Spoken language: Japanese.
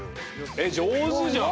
えっ上手じゃん！